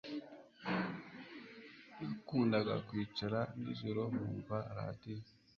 Nakundaga kwicara nijoro nkumva radio.